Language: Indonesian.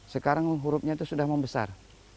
sekarang hurufnya itu sudah membesar